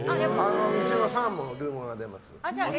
うちのサンもルー語が出ます。